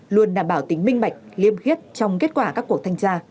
luôn đảm bảo tính minh bạch liêm khiết trong kết quả các cuộc thanh tra